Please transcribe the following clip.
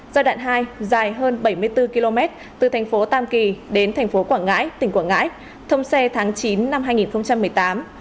giai đoạn hai dài hơn bảy mươi bốn km từ thành phố tam kỳ đến thành phố quảng ngãi tỉnh quảng ngãi thông xe tháng chín năm hai nghìn một mươi tám